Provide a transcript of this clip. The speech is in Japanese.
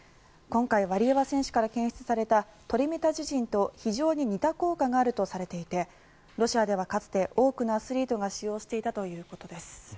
今回、ワリエワ選手から検出されたトリメタジジンと非常に似た効果だとされていてロシアではかつて多くのアスリートが使用していたということです。